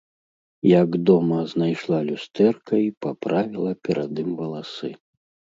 Як дома, знайшла люстэрка й паправіла перад ім валасы.